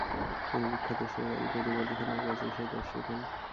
তিনি বিখ্যাত সেতারি কুতুব আলি খানের কাছে সেতার শেখেন।